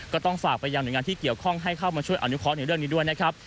ก็ต้องฝากไปยังหน่วยงานที่เกี่ยวข้องให้เข้ามาช่วยอนุเคาะในเรื่องนี้ด้วยนะครับ